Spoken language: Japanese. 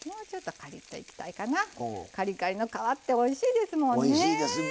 カリカリの皮っておいしいですもんね。